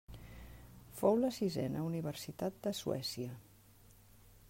Fou la sisena universitat de Suècia.